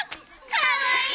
かわいい！